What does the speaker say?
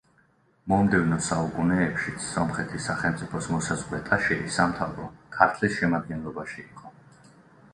მომდევნო საუკუნეებშიც სომხეთის სახელმწიფოს მოსაზღვრე ტაშირი სამთავრო ქართლის შემადგენლობაში იყო.